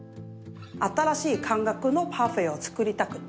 新しい感覚のパフェを作りたくて。